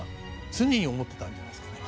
常に思ってたんじゃないですかね。